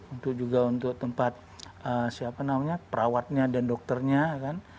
untuk juga untuk tempat siapa namanya perawatnya dan dokternya kan